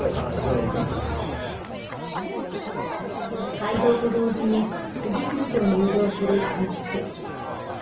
開場と同時に次々と入場する観客。